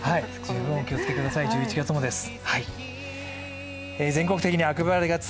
十分お気をつけください、１１月もです。